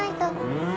うん。